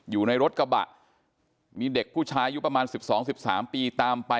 อยู่ในรถกระบะมีเด็กผู้ชายอยู่ประมาณสิบสองสิบสามปีตามไป